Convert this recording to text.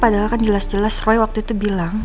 padahal kan jelas jelas roy waktu itu bilang